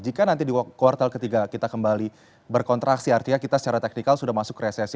jika nanti di kuartal ketiga kita kembali berkontraksi artinya kita secara teknikal sudah masuk resesi